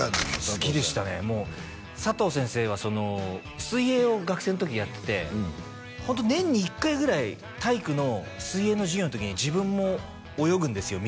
好きでしたね佐藤先生は水泳を学生の時やっててホント年に１回ぐらい体育の水泳の授業の時に自分も泳ぐんですよ